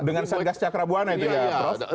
dengan satgas cakrabuana itu ya prof